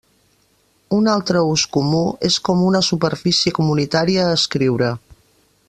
Un altre ús comú és com una superfície comunitària a escriure.